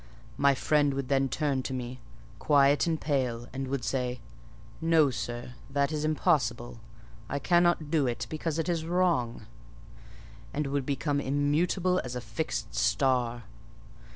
My friend would then turn to me, quiet and pale, and would say, 'No, sir; that is impossible: I cannot do it, because it is wrong;' and would become immutable as a fixed star.